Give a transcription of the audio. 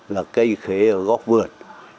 là cây khế ở góc vườn